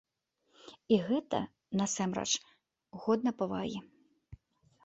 І гэта, насамрэч, годна павагі.